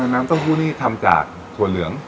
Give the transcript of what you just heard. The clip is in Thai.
น้ำเต้าหู้นี่ทำจากถั่วเหลือง